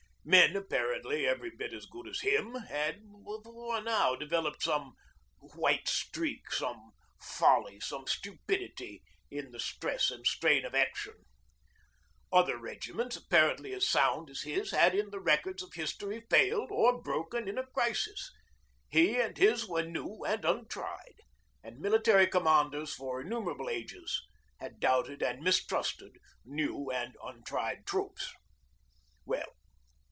Men, apparently every bit as good as him, had before now developed some 'white streak,' some folly, some stupidity, in the stress and strain of action. Other regiments, apparently as sound as his, had in the records of history failed or broken in a crisis. He and his were new and untried, and military commanders for innumerable ages had doubted and mistrusted new and untried troops. Well